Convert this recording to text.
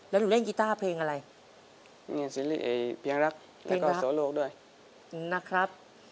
แล้วหนูเล่นกีต้าเพลงอะไรนี่เพียงรักแล้วก็โสโลกด้วยนะครับ